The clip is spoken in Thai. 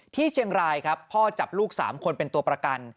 เชียงรายครับพ่อจับลูก๓คนเป็นตัวประกัน